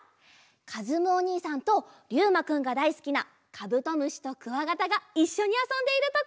かずむおにいさんとりゅうまくんがだいすきなカブトムシとクワガタがいっしょにあそんでいるところです。